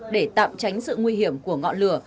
để tạm tránh sự nguy hiểm của ngọn lửa